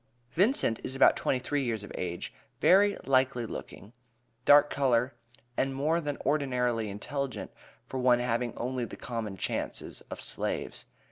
Vincent is about twenty three years of age, very "likely looking," dark color, and more than ordinarily intelligent for one having only the common chances of slaves.